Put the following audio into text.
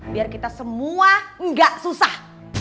biar kita semua nggak susah